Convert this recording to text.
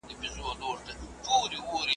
شپه به ځي بلال به واورو زه سهار په سترګو وینم .